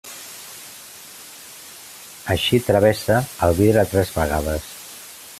Així travessa el vidre tres vegades.